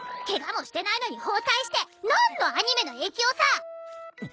ケガもしてないのに包帯して何のアニメの影響さ！